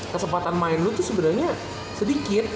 kesempatan main lu tuh sebenarnya sedikit